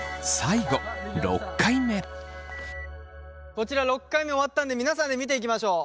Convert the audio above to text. こちら６回目終わったんで皆さんで見ていきましょう。